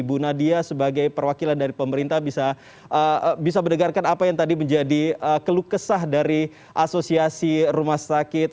bu nadia sebagai perwakilan dari pemerintah bisa mendengarkan apa yang tadi menjadi keluh kesah dari asosiasi rumah sakit